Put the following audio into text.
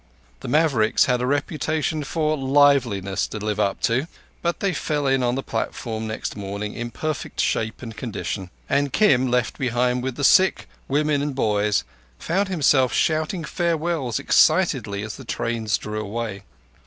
The Mavericks had a reputation for liveliness to live up to. But they fell in on the platform next morning in perfect shape and condition; and Kim, left behind with the sick, women, and boys, found himself shouting farewells excitedly as the trains drew away.